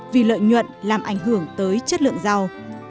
vì lợi nhuận làm ảnh hưởng tới chất lượng rau